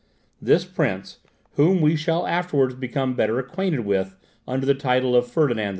This prince, whom we shall afterwards become better acquainted with under the title of Ferdinand II.